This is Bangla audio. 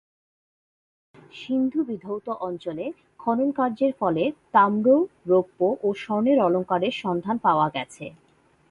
সিন্ধুবিধৌত অঞ্চলে খননকার্যের ফলে তাম্র, রৌপ্য ও স্বর্ণের অলঙ্কারের সন্ধান পাওয়া গেছে।